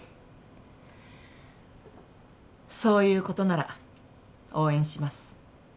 そういうことなら応援します